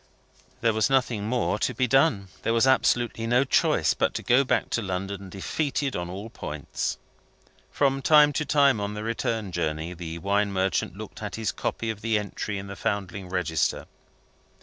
There was nothing more to be done; there was absolutely no choice but to go back to London, defeated at all points. From time to time on the return journey, the wine merchant looked at his copy of the entry in the Foundling Register.